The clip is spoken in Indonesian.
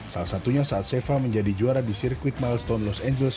salah satunya saat sheva menjadi juara di sirkuit milestone los angeles